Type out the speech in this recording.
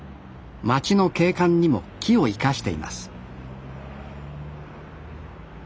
町の景観にも木を生かしています